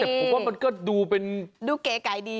แต่ผมว่ามันก็ดูเป็นดูเก๋ไก่ดี